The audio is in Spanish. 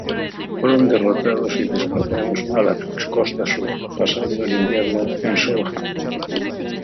Fueron derrotados y se desplazaron a la costa sur pasando el invierno en Southampton.